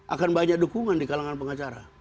akan banyak dukungan di kalangan pengacara